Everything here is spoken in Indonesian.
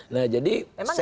nah jadi sesnek